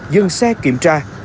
dừng xe kiểm tra